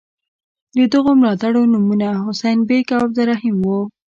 د دغو ملاتړو نومونه حسین بېګ او عبدالرحیم وو.